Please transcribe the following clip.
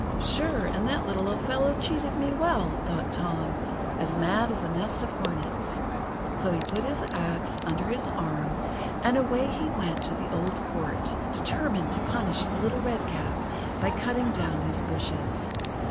"Sure, and the little old fellow cheated me well!" thought Tom, as mad as a nest of hornets. So he put his axe under his arm, and away he went to the old fort, determined to punish the Little Redcap by cutting down his bushes.